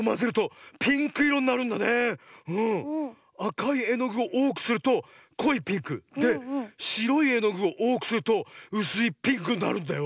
あかいえのぐをおおくするとこいピンク。でしろいえのぐをおおくするとうすいピンクになるんだよ。